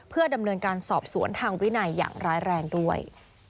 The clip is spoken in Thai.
เพื่อดำเนินการสอบสวนทางวินัยอย่างร้ายแรงด้วย